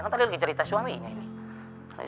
kan tadi cerita suaminya ini